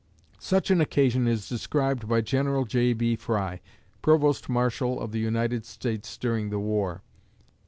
Such an occasion is described by General J.B. Fry, Provost Marshal of the United States during the war.